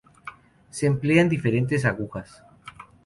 Se emplean diferentes agujas.